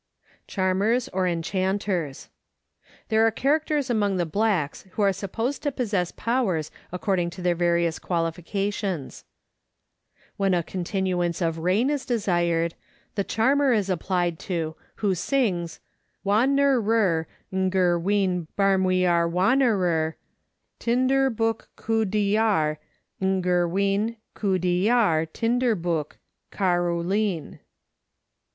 Charmers or Enchanters. There are characters among the blacks Avho are supposed to possess powers according to their various qualifications. When a continuance of rain is desired, the charmer is applied to, who sings, " Won ner rer Nger wein Barm we are Won ner rer Tin der buk Koo de are Nger wein Koo de are Tin der buk Kar row lin."